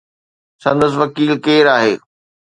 سندس وڪيل ڪير آهي؟